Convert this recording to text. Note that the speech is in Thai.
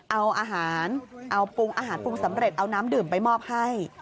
เอาอาหารเอาปรุงอาหารปรุงสำเร็จเอาน้ำดื่มไปมอบให้